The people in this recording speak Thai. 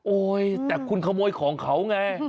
แต่คุณขโมยของเขาไง